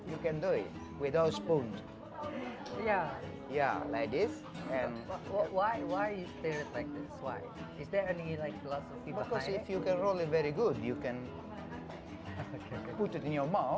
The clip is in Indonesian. jika anda bisa menggulungnya dengan baik anda bisa menempatkannya di mulut anda dengan mudah